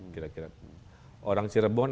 kira kira orang cirebon